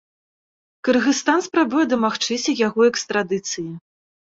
Кыргызстан спрабуе дамагчыся яго экстрадыцыі.